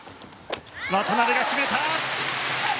渡辺が決めた！